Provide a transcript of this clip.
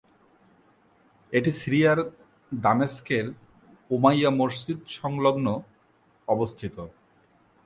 এটি সিরিয়ার দামেস্কের উমাইয়া মসজিদ সংলগ্ন অবস্থিত।